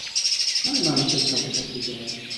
আমি মানুষের সাথে থাকতে চাই!